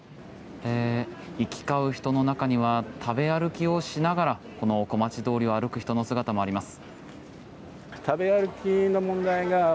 行き交う人の中には食べ歩きをしながらこの小町通りを歩く人の姿もあります。